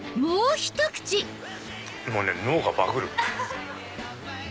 もうね脳がバグる。